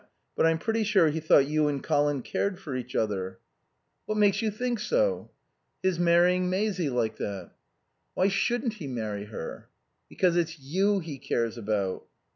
But I'm pretty sure he thought you and Colin cared for each other." "What makes you think so?" "His marrying Maisie like that." "Why shouldn't he marry her?" "Because it's you he cares about."